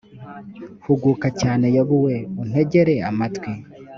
huguka cyane yobu we untegere amatwi